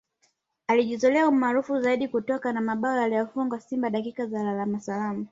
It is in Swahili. Alijizolea umaarufu zaidi kutokana na bao alilowafungia Simba dakika za lala salama